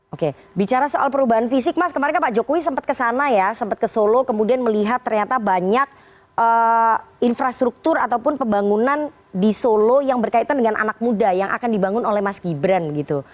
oke bicara soal perubahan fisik mas kemarin pak jokowi sempat kesana ya sempat ke solo kemudian melihat ternyata banyak infrastruktur ataupun pembangunan di solo yang berkaitan dengan anak muda yang akan dibangun oleh mas gibran gitu